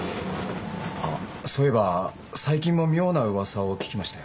あっそういえば最近も妙な噂を聞きましたよ。